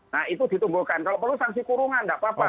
nah itu ditumbuhkan kalau perlu sanksi kurungan tidak apa apa